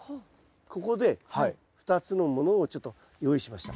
ここで２つのものをちょっと用意しました。